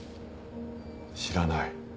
知らない。